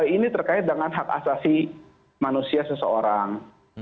ini terkait dengan hak asasi manusia seseorang